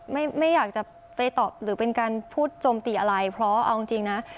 ไม่ไม่อยากจะไปตอบหรือเป็นการพูดโจมตีอะไรเพราะเอาจริงจริงนะ